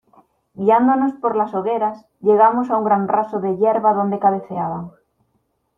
guiándonos por las hogueras, llegamos a un gran raso de yerba donde cabeceaban